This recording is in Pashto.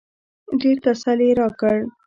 ډېر تسل يې راکړ.